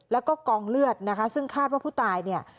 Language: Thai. แล้วก็กองเลือดนะคะซึ่งคาดว่าผู้ตายเนี่ย